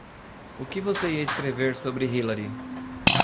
O que você ia escrever sobre Hillary?